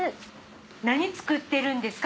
何作ってるんですか？